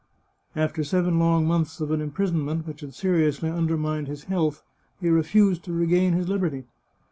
After seven long months of an impris onment which had seriously undermined his health, he re fused to regain his liberty.